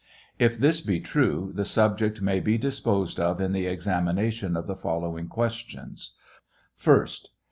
If this be true, the subject may be disposed of in the examination of the fol lowing questions : 1st.